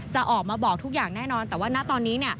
จะออกมาบอกทุกอย่างแน่นอนแต่ว่าณตอนนี้